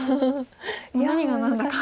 もう何が何だか。